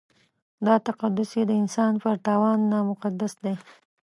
دا تقدس یې د انسان پر تاوان نامقدس دی.